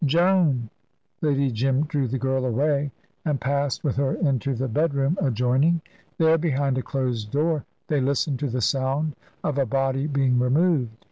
"Joan"; Lady Jim drew the girl away, and passed with her into the bedroom adjoining. There behind a closed door they listened to the sound of a body being removed.